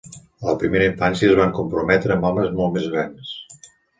A la primera infància es van comprometre amb homes molt més grans.